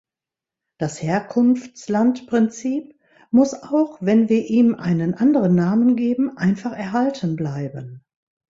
Das Herkunftslandprinzip muss, auch wenn wir ihm einen anderen Namen geben, einfach erhalten bleiben.